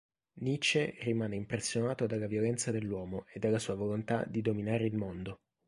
Nietzsche rimane impressionato dalla violenza dell'uomo e dalla sua volontà di dominare il mondo.